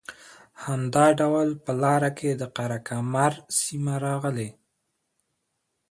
همدا ډول په لاره کې د قره کمر سیمه راغلې